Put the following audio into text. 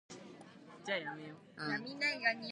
A typhoon struck Passi in the Philippines in December.